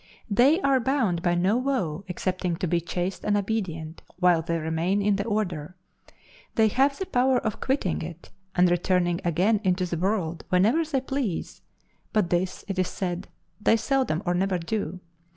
They are bound by no vow excepting to be chaste and obedient while they remain in the order; they have the power of quitting it and returning again into the world whenever they please, but this, it is said, they seldom or never do.